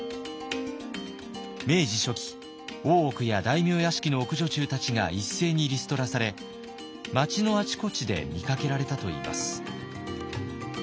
明治初期大奥や大名屋敷の奥女中たちが一斉にリストラされ町のあちこちで見かけられたといいます。